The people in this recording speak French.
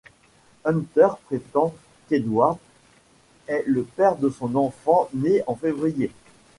Hunter prétend qu'Edwards est le père de son enfant né en février.